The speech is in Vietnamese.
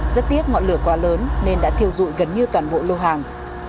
rất tiếc ngọn lửa quá lớn nên đã thiêu dụi gần như toàn bộ lô hàng